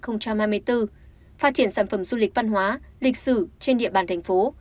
phát triển sản phẩm du lịch văn hóa lịch sử trên địa bàn thành phố